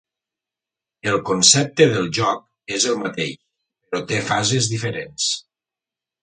El concepte del joc és el mateix, però té fases diferents.